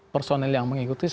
personel yang mengikuti